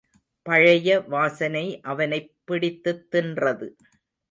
பழைய வாசனை அவனைப் பிடித்துத் தின்றது.